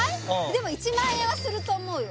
でも１万円はすると思うよ